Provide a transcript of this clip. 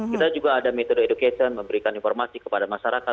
kita juga ada metode education memberikan informasi kepada masyarakat